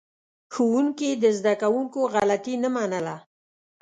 ښوونکي د زده کوونکو غلطي نه منله.